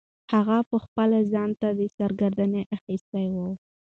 هغه پخپله ځان ته سرګرداني اخیستې وه.